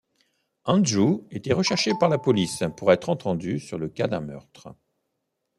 Andrews était recherché par la police pour être entendu sur le cas d'un meurtre.